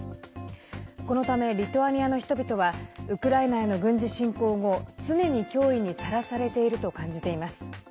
このため、リトアニアの人々はウクライナへの軍事侵攻後常に脅威にさらされていると感じています。